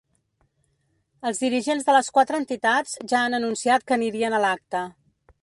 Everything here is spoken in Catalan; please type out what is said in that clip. Els dirigents de les quatre entitats ja han anunciat que anirien a l’acte.